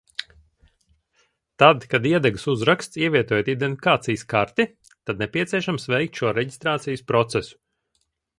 "Tad, kad iedegas uzraksts, "Ievietojiet identifikācijas karti", tad nepieciešams veikt šo reģistrācijas procesu."